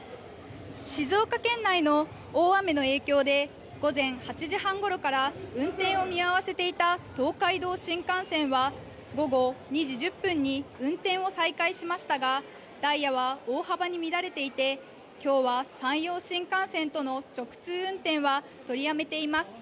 静岡県内の大雨の影響で、午前８時半ごろから運転を見合わせていた東海道新幹線は、午後２時１０分に運転を再開しましたが、ダイヤは大幅に乱れていて、きょうは山陽新幹線との直通運転は取りやめています。